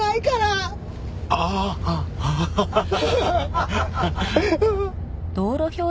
ああアハハハ。